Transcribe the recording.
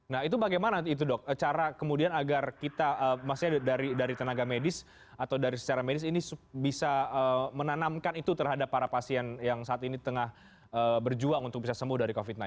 nah itu bagaimana itu dok cara kemudian agar kita maksudnya dari tenaga medis atau dari secara medis ini bisa menanamkan itu terhadap para pasien yang saat ini tengah berjuang untuk bisa sembuh dari covid sembilan belas